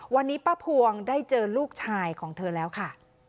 วันนี้ป้าพวงได้เจอลูกชายของเธอแล้วค่ะ